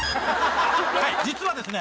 実はですね